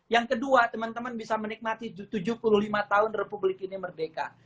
yang kedua teman teman bisa menikmati tujuh puluh lima tahun republik ini merdeka